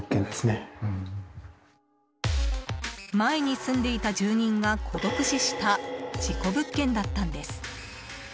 前に住んでいた住人が孤独死した事故物件だったんです。